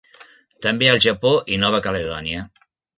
També al Japó i Nova Caledònia.